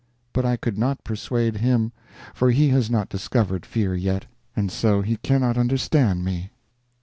But I could not persuade him, for he has not discovered fear yet, and so he could not understand me.